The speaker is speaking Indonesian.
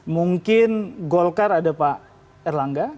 mungkin golkar ada pak erlangga